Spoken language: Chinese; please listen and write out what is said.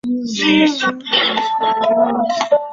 现今内政部已无该单位。